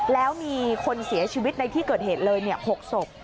แล้วมีคนเสียชีวิตในที่เกิดเหตุเลย๖ศพ